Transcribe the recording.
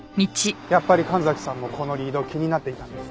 やっぱり神崎さんもこのリード気になっていたんですね。